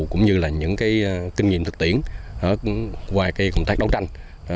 cũng như là những kinh nghiệm thực tiễn qua công tác đấu tranh